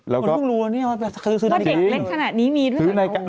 กรรมรุ่งรู้ว่าเก็บซื้ออะไรขนาดนี้มีรู้สึกครับโออ๊ะพี่หนุ่ม